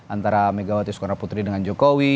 antara megawati sukarnaputri dengan jokowi